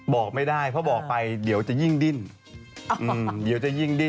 บอกไม่ได้เพราะบอกไปเดี๋ยวจะยิ่งดิ้น